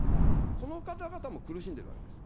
この方々も苦しんでいるわけです。